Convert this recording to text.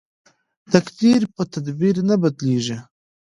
تقدیر په تدبیر نه بدلیږي.